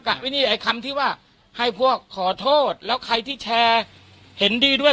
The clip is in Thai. ไอ้นี่ไอ้คำที่ว่าให้พวกขอโทษแล้วใครที่แชร์เห็นดีด้วย